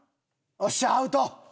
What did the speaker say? よっしゃアウト！